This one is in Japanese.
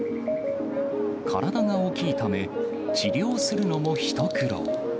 体が大きいため、治療するのも一苦労。